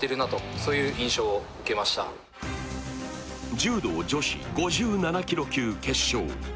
柔道女子５７キロ級決勝。